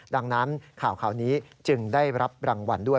ดังนั้นข่าวนี้จึงได้รับรางวัลด้วย